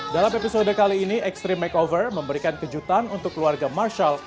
dalam episode kali ini extreme makeover memberikan kejutan untuk keluarga marshall